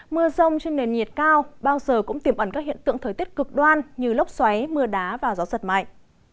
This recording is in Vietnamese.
mưa rông trên nền nhiệt cao bao giờ cũng tiềm ẩn các hiện tượng thời tiết cực đoan như lốc xoáy mưa đá và gió giật mạnh